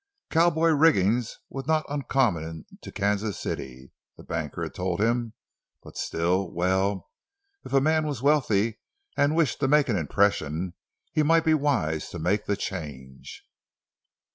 Cowboy rigging was not uncommon to Kansas City, the banker had told him, but still—well, if a man was wealthy, and wished to make an impression, it might be wise to make the change.